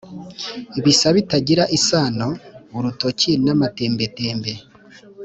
Bisa bitagira isano-Urutoki n'amatembetembe.